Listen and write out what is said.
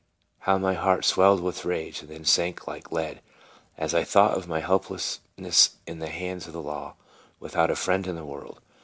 How my heart swelled with rage, and then sank like lead, as I thought of my helplessness in the hands of the law, without a friend in the world.